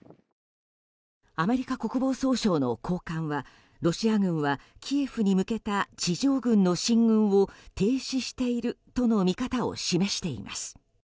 アメリカ国防総省の高官はロシア軍はキエフに向けた地上軍の進軍を停止しているとの見方を示しています。